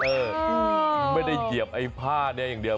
ไม่ได้เหยียบไอ้ผ้านี้อย่างเดียว